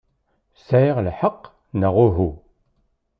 Sɛiɣ lḥeqq, neɣ uhu?